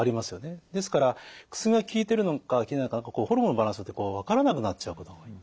ですから薬が効いてるのか効いてないのかホルモンのバランスで分からなくなっちゃうことが多い。